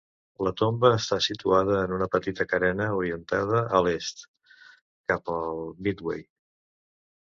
La tomba està situada en una petita carena orientada a l'est, cap al Medway.